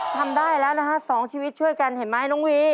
ทำได้แล้วนะฮะ๒ชีวิตช่วยกันเห็นไหมน้องวี